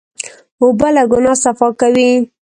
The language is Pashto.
اوبه له ګناه صفا کوي.